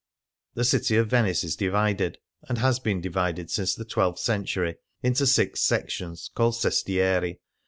The city of Venice is divided — and has been divided since the twelfth century — into six sections called sestieri.